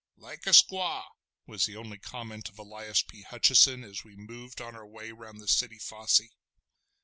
"Like a squaw!" was the only comment of Elias P. Hutcheson, as we moved on our way round the city fosse.